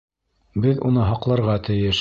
Беҙ уны һаҡларға тейеш.